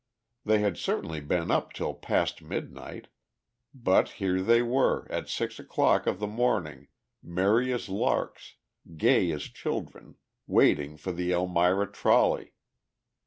They had certainly been up till past midnight, but here they were, at six o'clock of the morning, merry as larks, gay as children, waiting for the Elmira trolley.